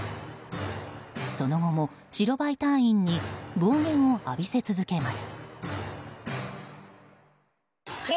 その後も、白バイ隊員に暴言を浴びせ続けます。